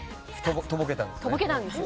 とぼけたんですよ。